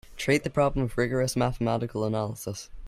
Treat the problem with rigorous mathematical analysis.